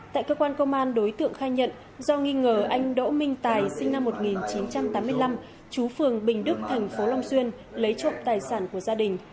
tại cơ quan công an đối tượng khai nhận do nghi ngờ anh đỗ minh tài sinh năm một nghìn chín trăm tám mươi năm chú phường bình đức thành phố long xuyên lấy trộm tài sản của gia đình